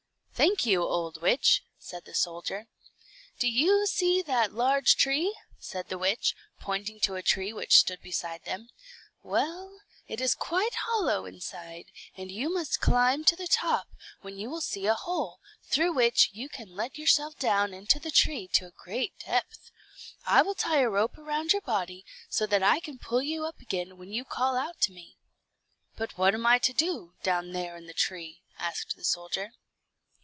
"Thank you, old witch," said the soldier. "Do you see that large tree," said the witch, pointing to a tree which stood beside them. "Well, it is quite hollow inside, and you must climb to the top, when you will see a hole, through which you can let yourself down into the tree to a great depth. I will tie a rope round your body, so that I can pull you up again when you call out to me." "But what am I to do, down there in the tree?" asked the soldier.